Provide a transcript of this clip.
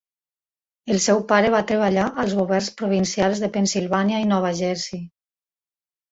El seu pare va treballar als governs provincials de Pennsilvània i Nova Jersey.